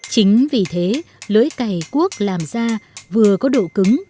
chính vì thế lưỡi cày cuốc làm ra vừa có độ cứng vừa đủ độ dẻo để không bị gãy